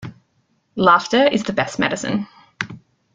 Laughter is the best medicine.